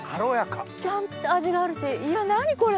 ちゃんと味があるしいや何これ！